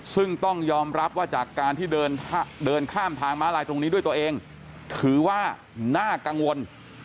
ซึ่งต้องยอมรับว่าจากการที่เดินข้ามทางม้าลายตรงนี้ด้วยตัวเองถือว่าน่ากังวล